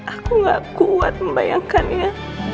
aku gak kuat membayangkannya